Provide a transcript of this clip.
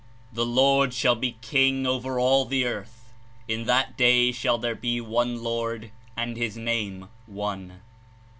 ^t!^^^iH° ^'The Lord shall be king over all the earth; in that day shall there he one Lord and his name one.'